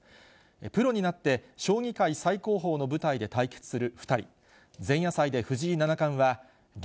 プロになって将棋界最高峰の舞台で対決する２人。